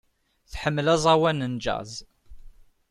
Tḥemmel aẓawan n jazz.